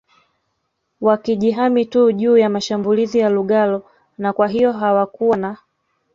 wakijihami tu juu ya mashambulizi ya lugalo na kwahiyo hawakuwa na